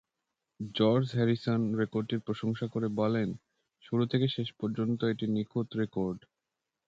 George Harrison রেকর্ডটির প্রশংসা করে বলেন, শুরু থেকে শেষ পর্যন্ত এটি একটি নিখুঁত রেকর্ড।